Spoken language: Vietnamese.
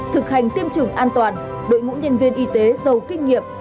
thực hành tiêm chủng an toàn đội ngũ nhân viên y tế giàu kinh nghiệm